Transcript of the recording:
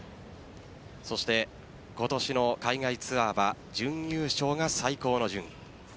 そして、今年の海外ツアーは準優勝が最高の順位。